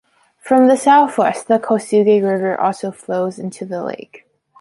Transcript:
From the southwest, the Kosuge River also flows into the lake.